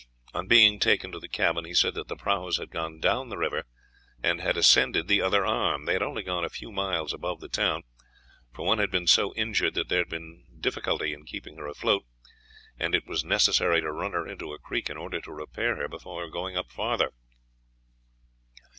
On being taken to the cabin, he said that the prahus had gone down the river, and had ascended the other arm. They had only gone a few miles above the town, for one had been so injured that there had been difficulty in keeping her afloat, and it was necessary to run her into a creek in order to repair her before going up farther.